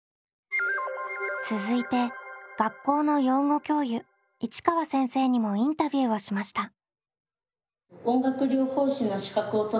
続いて学校の養護教諭市川先生にもインタビューをしました。